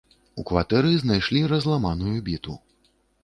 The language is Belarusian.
У кватэры знайшлі разламаную біту.